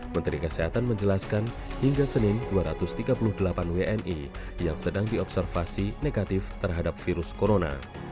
menteri kesehatan menjelaskan hingga senin dua ratus tiga puluh delapan wni yang sedang diobservasi negatif terhadap virus corona